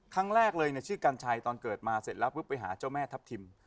ครั้งแรกเลยชื่อกัญชัยตอนเกิดมาเสร็จแล้วปุ๊บไปหาเจ้าแม่ทัพทิม